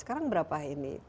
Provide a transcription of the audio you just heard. sekarang berapa ini